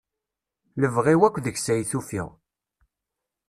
Lebɣi-w akk deg-s ay tufiɣ.